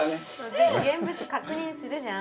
で現物確認するじゃん？